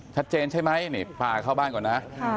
ชัดเจนใช่ไหมนี่ปลาเข้าบ้านก่อนนะ